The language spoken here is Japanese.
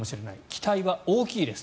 期待は大きいです。